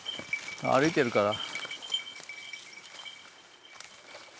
歩いてるから。